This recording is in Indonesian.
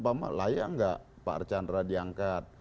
lama lama layak gak pak archandra diangkat